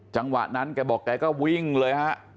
จังหวะนั้นแกบอกแกก็วิ่งเลยฮะ